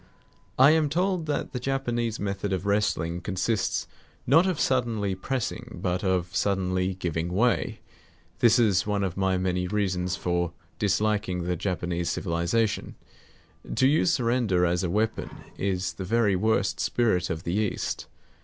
I am told that the Japanese method of wrestling consists not of suddenly pressing, but of suddenly giving way. This is one of my many reasons for disliking the Japanese civilization. To use surrender as a weapon is the very worst spirit of the East.